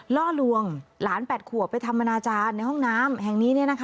ล่อลวงหลาน๘ขวบไปทำอนาจารย์ในห้องน้ำแห่งนี้